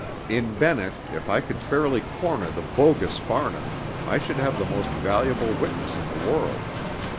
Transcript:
In Bennett, if I could fairly corner the bogus Farnham, I should have the most valuable witness in the world.